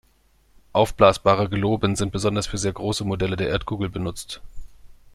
Aufblasbare Globen sind besonders für sehr große Modelle der Erdkugel benutzt.